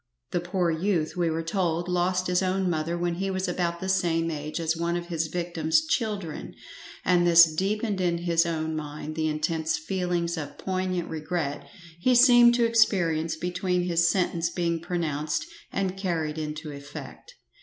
The poor youth, we were told, lost his own mother when he was about the same age as one of his victim's children, and this deepened in his own mind the intense feelings of piognant regret he seemed to experience between his sentence being pronounced and carried into effect.